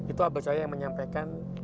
itu abu saya yang menyampaikan